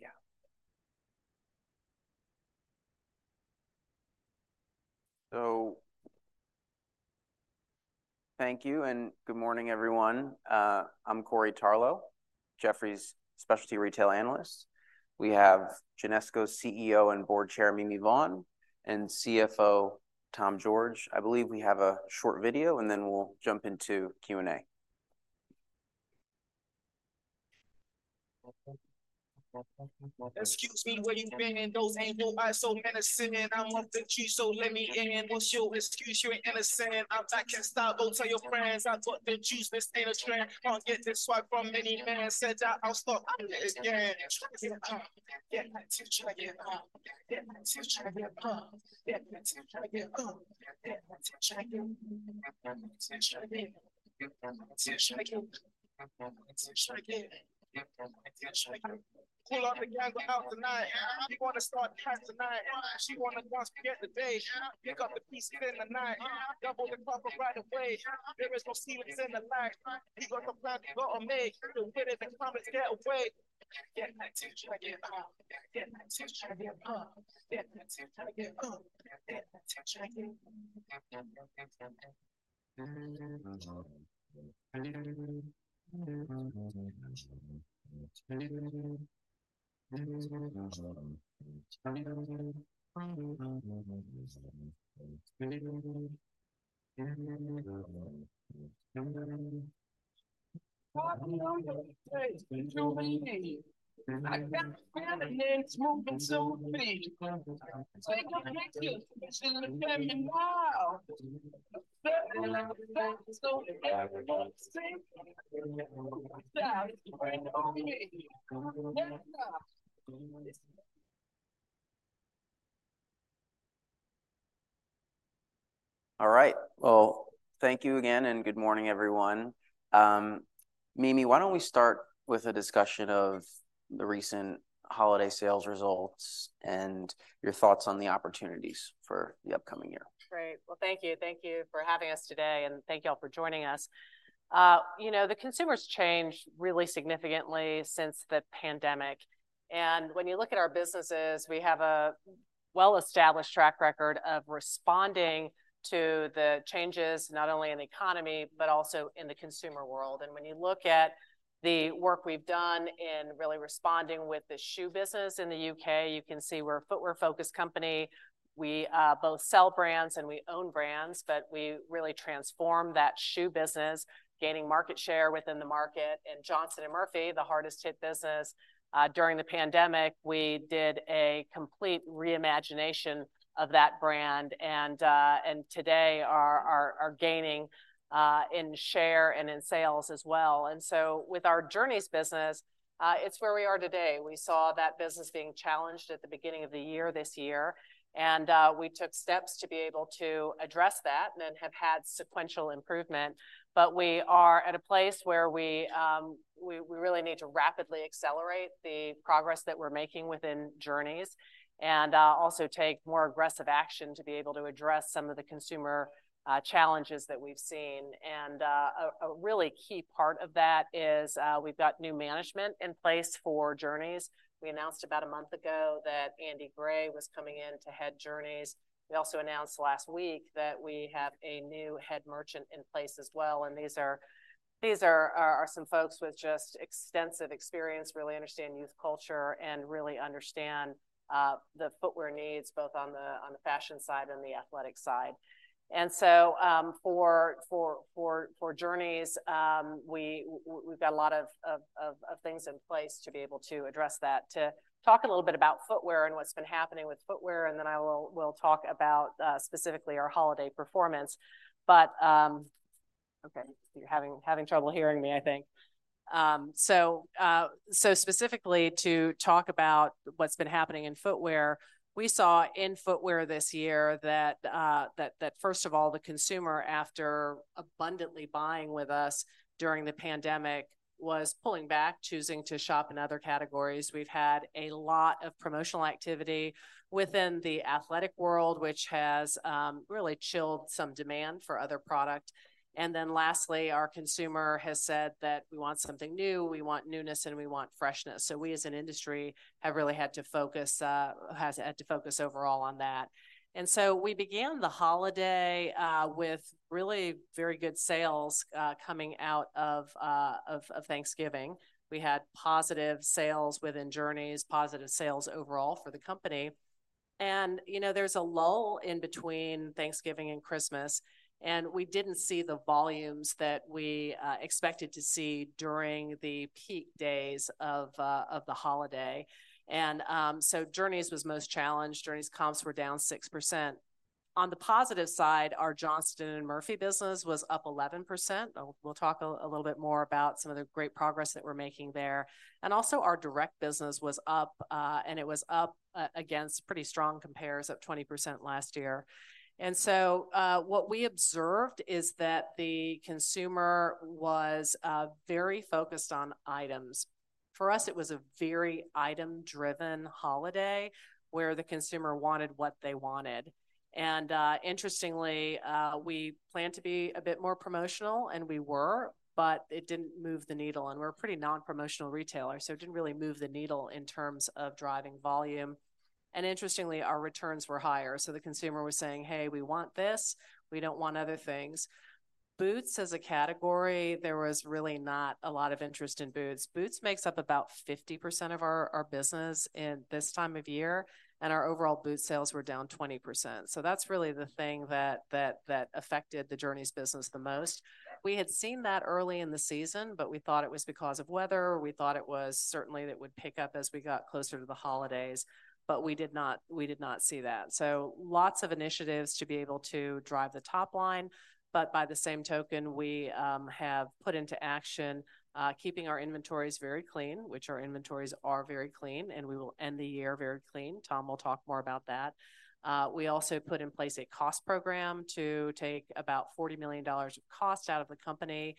Yeah. So, thank you, and good morning, everyone. I'm Corey Tarlowe, Jefferies Specialty Retail Analyst. We have Genesco's CEO and Board Chair, Mimi Vaughn, and CFO, Tom George. I believe we have a short video, and then we'll jump into Q&A. Excuse me, where you been? And those ain't nobody so innocent. I want the key, so let me in. What's your excuse? You're innocent. I, I can't stop. Go tell your friends. I thought the juice, this ain't a trend. I'll get this swipe from many hands. Said I, I'll start again. Get my teach on, get my teach on, get my teach on, get my teach on, get my teach on. Get my teach on, get my teach on, get my teach on, get my teach on. Pull up the gang out tonight. We wanna start tonight. She wanna once forget the day. Pick up the piece, spend the night. Double the couple right away. There is no secrets in the night. You got the plan, go on me. The winner, the comments, get away. Get my teach on, get my teach on, get my teach on, get my teach on. All right. Well, thank you again, and good morning, everyone. Mimi, why don't we start with a discussion of the recent holiday sales results and your thoughts on the opportunities for the upcoming year? Great. Well, thank you. Thank you for having us today, and thank you all for joining us. You know, the consumer's changed really significantly since the pandemic, and when you look at our businesses, we have a well-established track record of responding to the changes, not only in the economy, but also in the consumer world. And when you look at the work we've done in 5responding with the shoe business in the UK, you can see we're a footwear-focused company. We both sell brands, and we own brands, but we really transformed that shoe business, gaining market share within the market. And Johnston & Murphy, the hardest hit business, during the pandemic, we did a complete reimagination of that brand and today are gaining in share and in sales as well. With our Journeys business, it's where we are today. We saw that business being challenged at the beginning of the year this year, and we took steps to be able to address that and then have had sequential improvement. But we are at a place where we really need to rapidly accelerate the progress that we're making within Journeys and also take more aggressive action to be able to address some of the consumer challenges that we've seen. A really key part of that is we've got new management in place for Journeys. We announced about a month ago that Andy Gray was coming in to head Journeys. We also announced last week that we have a new head merchant in place as well, and these are some folks with just extensive experience, really understand youth culture and really understand the footwear needs, both on the fashion side and the athletic side. And so, for Journeys, we've got a lot of things in place to be able to address that. To talk a little bit about footwear and what's been happening with footwear, and then we'll talk about specifically our holiday performance. But okay, you're having trouble hearing me, I think. So specifically to talk about what's been happening in footwear, we saw in footwear this year that first of all, the consumer, after abundantly buying with us during the pandemic, was pulling back, choosing to shop in other categories. We've had a lot of promotional activity within the athletic world, which has really chilled some demand for other product. And then lastly, our consumer has said that we want something new, we want newness, and we want freshness. So we as an industry have really had to focus, has had to focus overall on that. And so we began the holiday with really very good sales coming out of Thanksgiving. We had positive sales within Journeys, positive sales overall for the company. You know, there's a lull in between Thanksgiving and Christmas, and we didn't see the volumes that we expected to see during the peak days of the holiday. So Journeys was most challenged. Journeys comps were down 6%. On the positive side, our Johnston & Murphy business was up 11%. We'll talk a little bit more about some of the great progress that we're making there. And also, our direct business was up, and it was up against pretty strong compares, up 20% last year. So what we observed is that the consumer was very focused on items. For us, it was a very item-driven holiday, where the consumer wanted what they wanted. Interestingly, we planned to be a bit more promotional, and we were, but it didn't move the needle, and we're a pretty non-promotional retailer, so it didn't really move the needle in terms of driving volume. Interestingly, our returns were higher. So the consumer was saying, "Hey, we want this. We don't want other things." Boots as a category, there was really not a lot of interest in boots. Boots makes up about 50% of our business in this time of year, and our overall boot sales were down 20%. So that's really the thing that affected the Journeys business the most. We had seen that early in the season, but we thought it was because of weather. We thought it was certainly it would pick up as we got closer to the holidays, but we did not, we did not see that. So lots of initiatives to be able to drive the top line, but by the same token, we have put into action keeping our inventories very clean, which our inventories are very clean, and we will end the year very clean. Tom will talk more about that. We also put in place a cost program to take about $40 million of cost out of the company.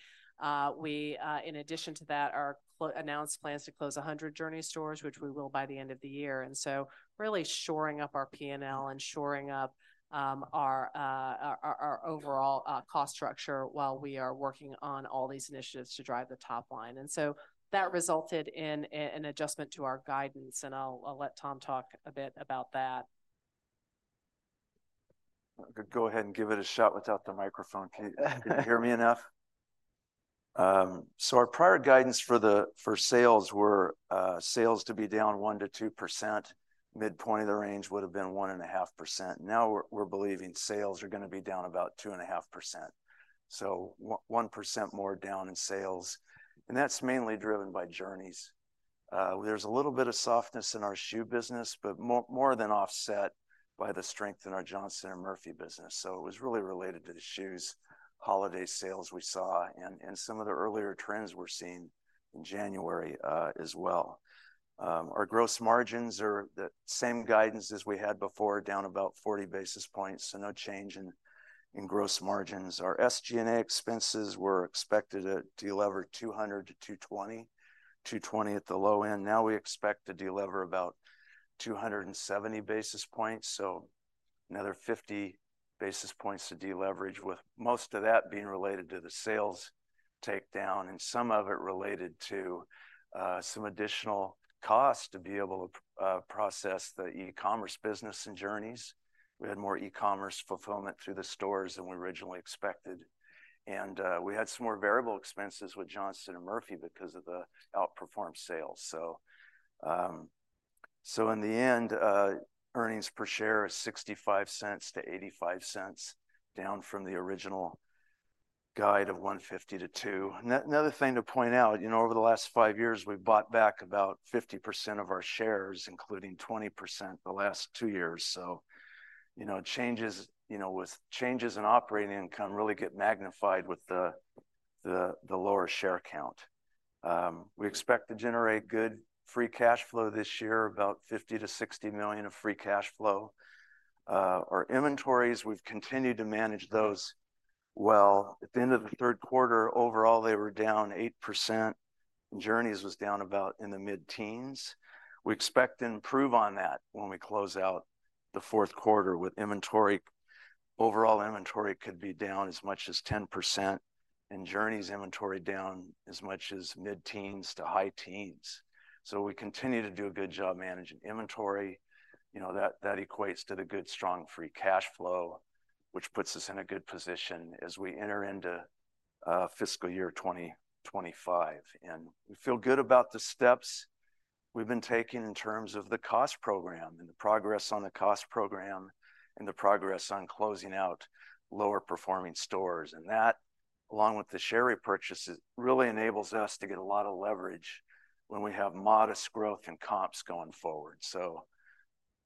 We, in addition to that, announced plans to close 100 Journeys stores, which we will by the end of the year, and so really shoring up our P&L and shoring up our overall cost structure while we are working on all these initiatives to drive the top line. And so that resulted in an adjustment to our guidance, and I'll let Tom talk a bit about that. I could go ahead and give it a shot without the microphone. Can you hear me enough? So our prior guidance for sales were sales to be down 1-2%. Midpoint of the range would've been 1.5%. Now we're believing sales are gonna be down about 2.5%, so one percent more down in sales, and that's mainly driven by Journeys. There's a little bit of softness in our shoe business, but more than offset by the strength in our Johnston & Murphy business. So it was really related to the shoes holiday sales we saw and some of the earlier trends we're seeing in January, as well. Our gross margins are the same guidance as we had before, down about 40 basis points, so no change in gross margins. Our SG&A expenses were expected to delever 200 to 220, 220 at the low end. Now we expect to delever about 270 basis points, so another 50 basis points to deleverage, with most of that being related to the sales takedown and some of it related to some additional cost to be able to process the e-commerce business in Journeys. We had more e-commerce fulfillment through the stores than we originally expected, and we had some more variable expenses with Johnston & Murphy because of the outperformed sales. So, so in the end, earnings per share is $0.65-$0.85, down from the original guide of $1.50-$2.00. Another thing to point out, you know, over the last five years, we've bought back about 50% of our shares, including 20% the last two years. So, you know, changes, you know, with changes in operating income really get magnified with the, the, the lower share count. We expect to generate good free cash flow this year, about $50 million-$60 million of free cash flow. Our inventories, we've continued to manage those well. At the end of the third quarter, overall, they were down 8%, and Journeys was down about in the mid-teens. We expect to improve on that when we close out the fourth quarter with inventory. Overall inventory could be down as much as 10%, and Journeys inventory down as much as mid-teens to high teens. So we continue to do a good job managing inventory. You know, that, that equates to the good, strong free cash flow, which puts us in a good position as we enter into fiscal year 2025. And we feel good about the steps we've been taking in terms of the cost program and the progress on the cost program and the progress on closing out lower-performing stores. And that, along with the share repurchases, really enables us to get a lot of leverage when we have modest growth and comps going forward. So,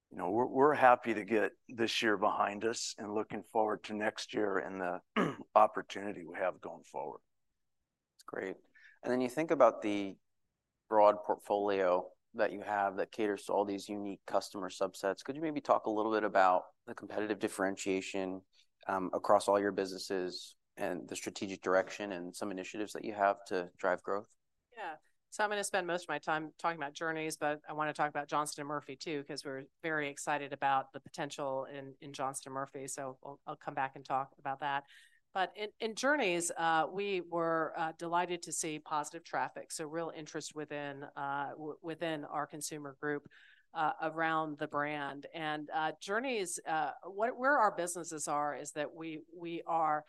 you know, we're, we're happy to get this year behind us and looking forward to next year and the opportunity we have going forward. That's great. And then you think about the broad portfolio that you have that caters to all these unique customer subsets. Could you maybe talk a little bit about the competitive differentiation, across all your businesses and the strategic direction and some initiatives that you have to drive growth? Yeah. So I'm gonna spend most of my time talking about Journeys, but I wanna talk about Johnston & Murphy, too, 'cause we're very excited about the potential in Johnston & Murphy, so I'll come back and talk about that. But in Journeys, we were delighted to see positive traffic, so real interest within our consumer group around the brand. And Journeys... where our businesses are is that we are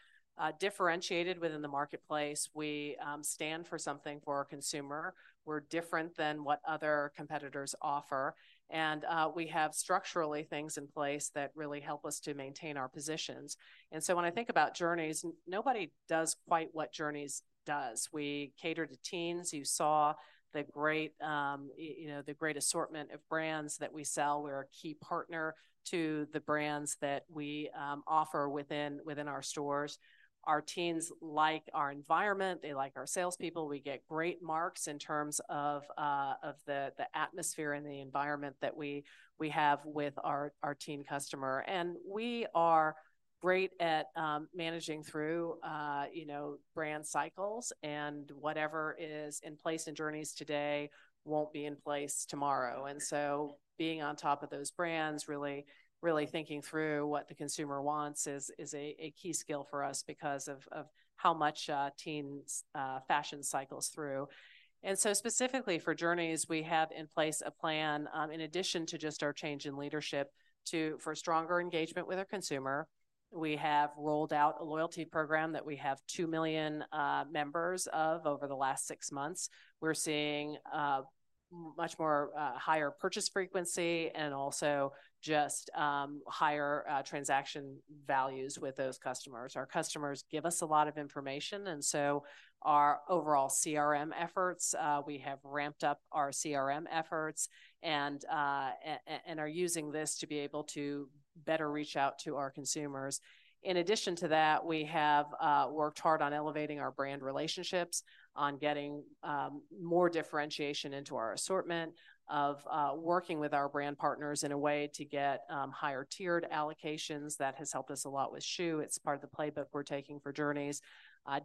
differentiated within the marketplace. We stand for something for our consumer. We're different than what other competitors offer, and we have structurally things in place that really help us to maintain our positions. And so when I think about Journeys, nobody does quite what Journeys does. We cater to teens. You saw the great... You know, the great assortment of brands that we sell. We're a key partner to the brands that we offer within our stores. Our teens like our environment, they like our salespeople. We get great marks in terms of the atmosphere and the environment that we have with our teen customer. And we are great at managing through you know, brand cycles, and whatever is in place in Journeys today won't be in place tomorrow. And so being on top of those brands, really, really thinking through what the consumer wants is a key skill for us because of how much teens fashion cycles through. And so specifically for Journeys, we have in place a plan in addition to just our change in leadership, to for stronger engagement with our consumer. We have rolled out a loyalty program that we have 2 million members of over the last six months. We're seeing much more higher purchase frequency and also just higher transaction values with those customers. Our customers give us a lot of information, and so our overall CRM efforts, we have ramped up our CRM efforts and are using this to be able to better reach out to our consumers. In addition to that, we have worked hard on elevating our brand relationships, on getting more differentiation into our assortment, of working with our brand partners in a way to get higher-tiered allocations. That has helped us a lot with shoe. It's part of the playbook we're taking for Journeys.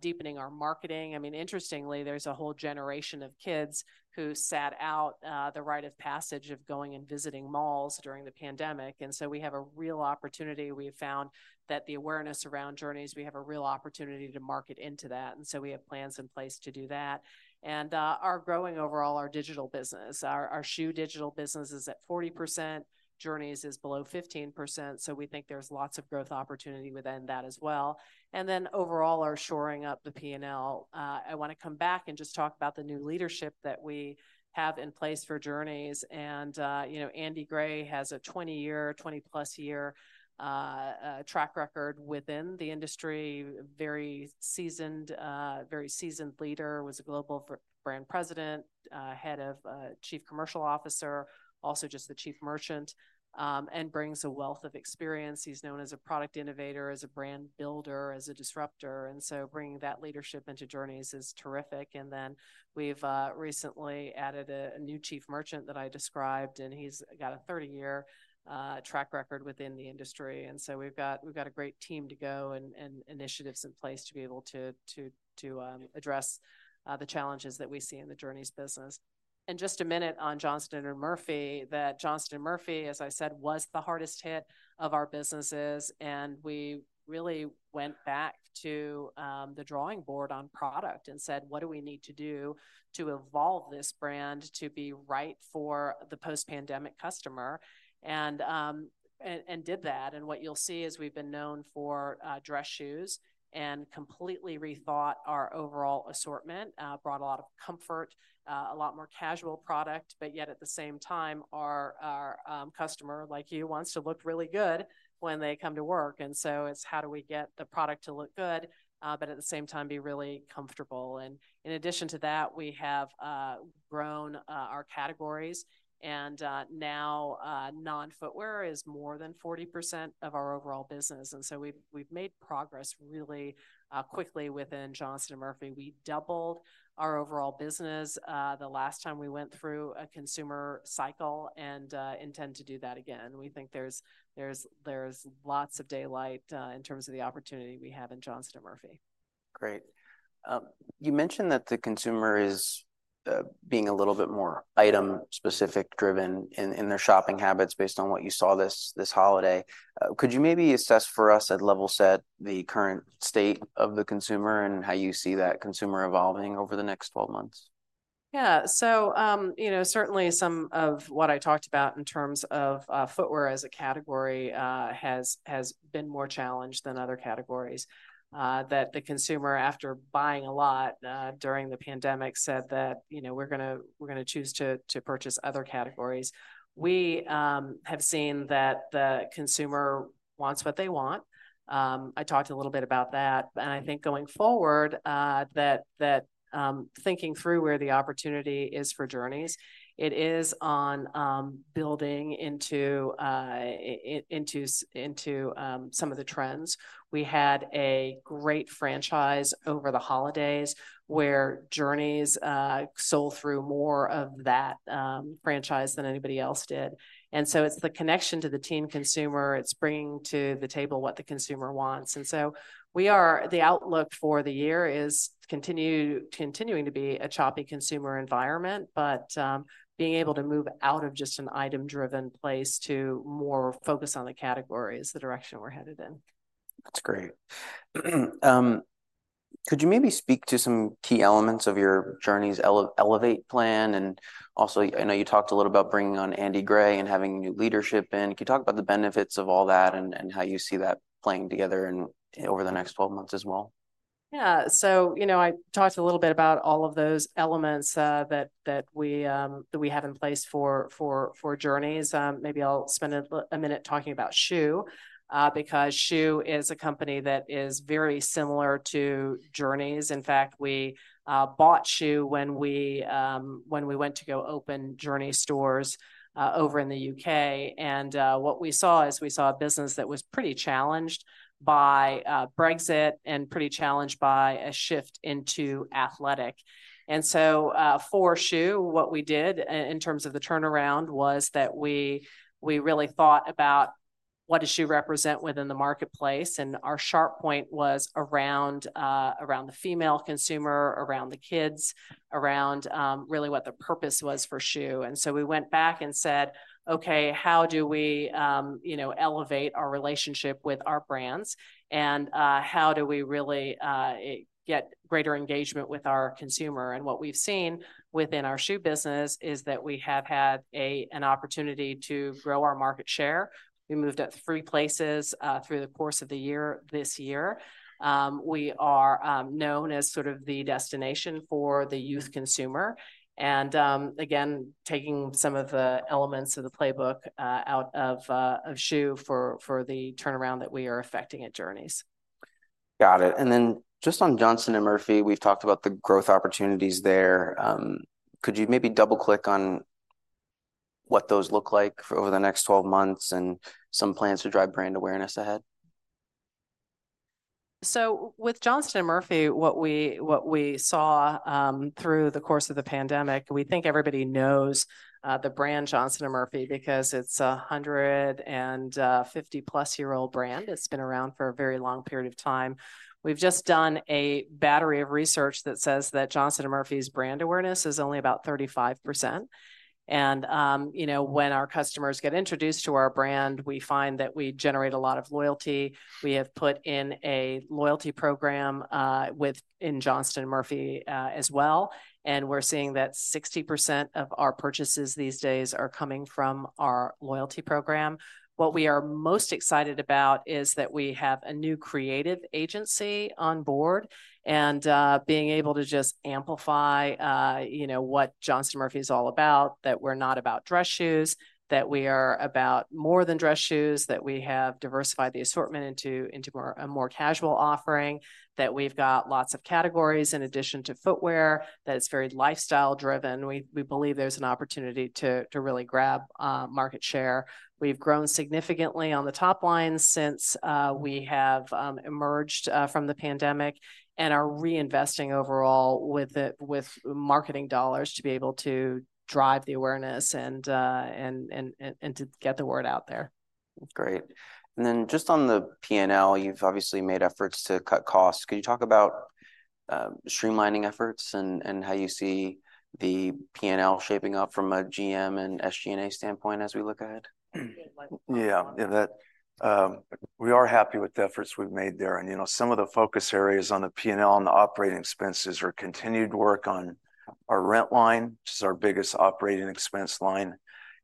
Deepening our marketing. I mean, interestingly, there's a whole generation of kids who sat out the rite of passage of going and visiting malls during the pandemic, and so we have a real opportunity. We have found that the awareness around Journeys, we have a real opportunity to market into that, and so we have plans in place to do that. And, are growing overall our digital business. Our shoe digital business is at 40%, Journeys is below 15%, so we think there's lots of growth opportunity within that as well. And then overall, are shoring up the P&L. I want to come back and just talk about the new leadership that we have in place for Journeys. And, you know, Andy Gray has a 20-year, 20-plus year track record within the industry. Very seasoned, very seasoned leader, was a global brand president, head of, chief commercial officer, also just the chief merchant, and brings a wealth of experience. He's known as a product innovator, as a brand builder, as a disruptor, and so bringing that leadership into Journeys is terrific. And then we've recently added a new chief merchant that I described, and he's got a 30-year track record within the industry. And so we've got, we've got a great team to go, and initiatives in place to be able to address the challenges that we see in the Journeys business. Just a minute on Johnston & Murphy, that Johnston & Murphy, as I said, was the hardest hit of our businesses, and we really went back to the drawing board on product and said: "What do we need to do to evolve this brand to be right for the post-pandemic customer?" And did that. What you'll see is we've been known for dress shoes and completely rethought our overall assortment. Brought a lot of comfort, a lot more casual product, but yet, at the same time, our customer, like you, wants to look really good when they come to work. So it's how do we get the product to look good, but at the same time, be really comfortable? In addition to that, we have grown our categories, and now non-footwear is more than 40% of our overall business. And so we've made progress really quickly within Johnston & Murphy. We doubled our overall business the last time we went through a consumer cycle, and intend to do that again. We think there's lots of daylight in terms of the opportunity we have in Johnston & Murphy. Great. You mentioned that the consumer is being a little bit more item-specific driven in their shopping habits based on what you saw this holiday. Could you maybe assess for us and level set the current state of the consumer and how you see that consumer evolving over the next twelve months? Yeah. So, you know, certainly some of what I talked about in terms of footwear as a category has been more challenged than other categories. That the consumer, after buying a lot during the pandemic, said that, "You know, we're gonna choose to purchase other categories." We have seen that the consumer wants what they want. I talked a little bit about that, and I think going forward, thinking through where the opportunity is for Journeys, it is on building into some of the trends. We had a great franchise over the holidays, where Journeys sold through more of that franchise than anybody else did. And so it's the connection to the teen consumer. It's bringing to the table what the consumer wants. The outlook for the year is continuing to be a choppy consumer environment, but being able to move out of just an item-driven place to more focus on the category is the direction we're headed in. That's great. Could you maybe speak to some key elements of your Journeys Elevate plan? And also, I know you talked a little about bringing on Andy Gray and having new leadership in. Can you talk about the benefits of all that and, and how you see that playing together and over the next 12 months as well? ... Yeah, so, you know, I talked a little bit about all of those elements, that we have in place for Journeys. Maybe I'll spend a minute talking about Schuh, because Schuh is a company that is very similar to Journeys. In fact, we bought Schuh when we went to go open Journeys stores over in the UK. And what we saw was a business that was pretty challenged by Brexit and pretty challenged by a shift into athletic. And so, for Schuh, what we did in terms of the turnaround was that we really thought about what does Schuh represent within the marketplace? And our sharp point was around the female consumer, around the kids, around really what the purpose was for Schuh. And so we went back and said, "Okay, how do we, you know, elevate our relationship with our brands, and, how do we really, get greater engagement with our consumer?" And what we've seen within our Schuh business is that we have had an opportunity to grow our market share. We moved up three places, through the course of the year, this year. We are known as sort of the destination for the youth consumer, and, again, taking some of the elements of the playbook, out of, of Schuh for the turnaround that we are affecting at Journeys. Got it. And then just on Johnston & Murphy, we've talked about the growth opportunities there. Could you maybe double-click on what those look like over the next 12 months and some plans to drive brand awareness ahead? So with Johnston & Murphy, what we saw through the course of the pandemic, we think everybody knows the brand Johnston & Murphy, because it's a 150+-year-old brand. It's been around for a very long period of time. We've just done a battery of research that says that Johnston & Murphy's brand awareness is only about 35%. And, you know, when our customers get introduced to our brand, we find that we generate a lot of loyalty. We have put in a loyalty program within Johnston & Murphy as well, and we're seeing that 60% of our purchases these days are coming from our loyalty program. What we are most excited about is that we have a new creative agency on board, and, being able to just amplify, you know, what Johnston & Murphy is all about. That we're not about dress shoes, that we are about more than dress shoes, that we have diversified the assortment into a more casual offering, that we've got lots of categories in addition to footwear, that it's very lifestyle driven. We believe there's an opportunity to really grab market share. We've grown significantly on the top line since we have emerged from the pandemic and are reinvesting overall with marketing dollars to be able to drive the awareness and to get the word out there. Great. And then just on the P&L, you've obviously made efforts to cut costs. Could you talk about streamlining efforts and how you see the P&L shaping up from a G&A and SG&A standpoint as we look ahead? Yeah, yeah, that. We are happy with the efforts we've made there. And, you know, some of the focus areas on the P&L and the operating expenses are continued work on our rent line, which is our biggest operating expense line.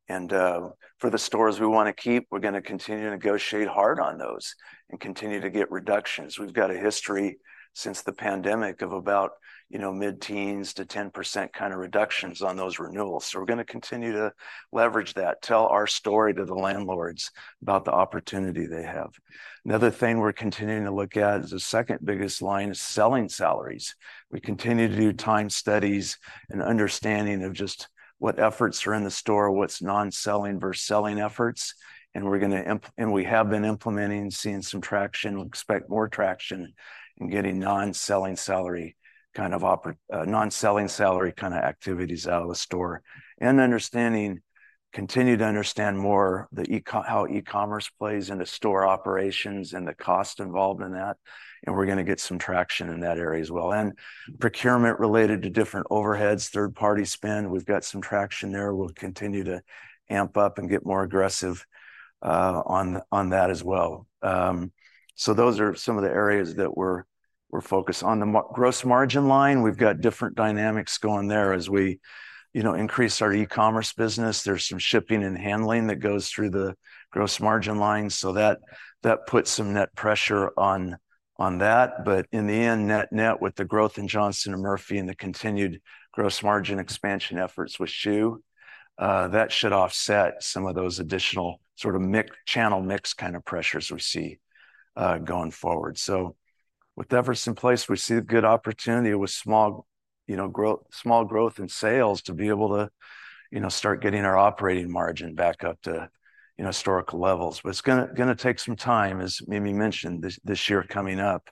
And for the stores we want to keep, we're gonna continue to negotiate hard on those and continue to get reductions. We've got a history since the pandemic of about, you know, mid-teens to 10% kind of reductions on those renewals. So we're gonna continue to leverage that, tell our story to the landlords about the opportunity they have. Another thing we're continuing to look at is the second biggest line is selling salaries. We continue to do time studies and understanding of just what efforts are in the store, what's non-selling versus selling efforts. We have been implementing, seeing some traction. We expect more traction in getting non-selling salary kind of activities out of the store. We continue to understand more how e-commerce plays into store operations and the cost involved in that, and we're gonna get some traction in that area as well. And procurement related to different overheads, third party spend, we've got some traction there. We'll continue to amp up and get more aggressive on that as well. So those are some of the areas that we're focused. On the gross margin line, we've got different dynamics going there. As we, you know, increase our e-commerce business, there's some shipping and handling that goes through the gross margin line, so that puts some net pressure on that. But in the end, net-net, with the growth in Johnston & Murphy and the continued gross margin expansion efforts with Schuh, that should offset some of those additional sort of mix-channel mix kind of pressures we see going forward. So with the efforts in place, we see a good opportunity with small, you know, small growth in sales to be able to, you know, start getting our operating margin back up to, you know, historical levels. But it's gonna take some time, as Mimi mentioned, this year coming up.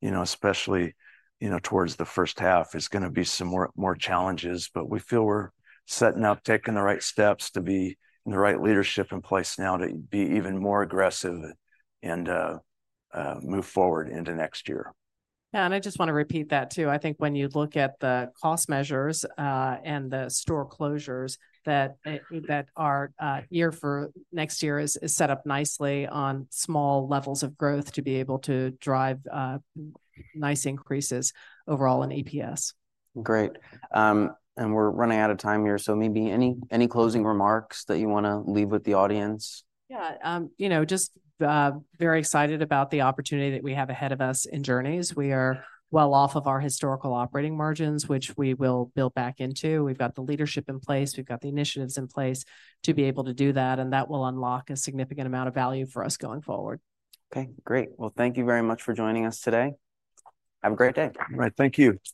You know, especially, you know, towards the first half, it's gonna be some more challenges. But we feel we're setting up, taking the right steps to be in the right leadership in place now to be even more aggressive and, move forward into next year. Yeah, and I just want to repeat that, too. I think when you look at the cost measures, and the store closures, that that our year for next year is set up nicely on small levels of growth to be able to drive nice increases overall in EPS. Great. And we're running out of time here, so maybe any closing remarks that you want to leave with the audience? Yeah, you know, just very excited about the opportunity that we have ahead of us in Journeys. We are well off of our historical operating margins, which we will build back into. We've got the leadership in place, we've got the initiatives in place to be able to do that, and that will unlock a significant amount of value for us going forward. Okay, great. Well, thank you very much for joining us today. Have a great day. All right, thank you.